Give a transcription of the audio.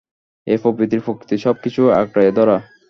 এই প্রবৃত্তির প্রকৃতি সব কিছু আঁকড়াইয়া ধরা।